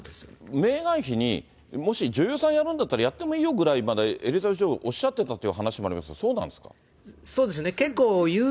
メーガン妃に、もし女優さんやるんだったら、やってもいいよってエリザベス女王、おっしゃってたって話もありますが、そうなんですか？